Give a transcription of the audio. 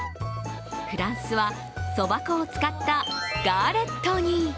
フランスはそば粉を使ったガレットに。